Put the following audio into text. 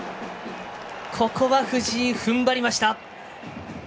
ここは藤井、ふんばりました。